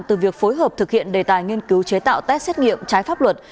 từ việc phối hợp thực hiện đề tài nghiên cứu chế tạo test xét nghiệm trái pháp luật